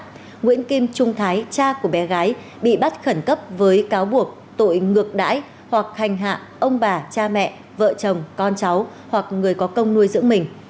nguyễn kim trung thái cha của bé gái bị bắt khẩn cấp với cáo buộc tội ngược đãi hoặc hành hạ ông bà cha mẹ vợ chồng con cháu hoặc người có công nuôi dưỡng mình